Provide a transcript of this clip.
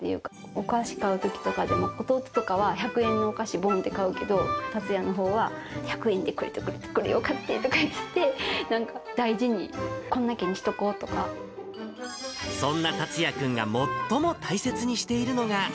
お菓子買うときとかでも、弟とかは１００円のお菓子、ぼんって買うけど、達哉のほうは、１００円でこれとこれとこれを買ってとかいって、なんか大事に、そんな達哉君が最も大切にしているのが。